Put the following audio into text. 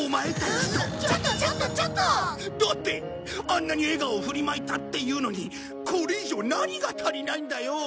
あんなに笑顔を振りまいたっていうのにこれ以上何が足りないんだよ？